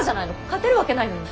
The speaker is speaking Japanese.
勝てるわけないのに。